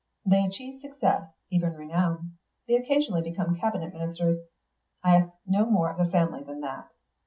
They achieve success; even renown. They occasionally become cabinet ministers. I ask no more of a family than that.